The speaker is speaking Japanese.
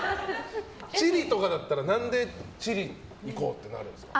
チリとかだったら何でチリ行こうってなるんですか。